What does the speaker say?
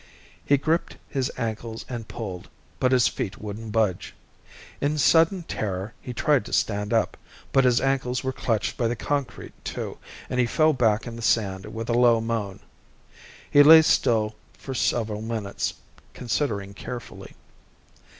He gripped his ankles and pulled, but his feet wouldn't budge. In sudden terror, he tried to stand up, but his ankles were clutched by the concrete too, and he fell back in the sand with a low moan. He lay still for several minutes, considering carefully.